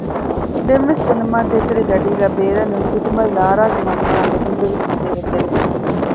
ދެންވެސް ދެނަމާދު ދޭތެރެ ގަޑީގައި ބޭރަށް ނުނިކުތުމަށް ލާރާގެ މަންމަ އާއި މުދިންބެ ވެސް ނަސޭހަތްތެރިވި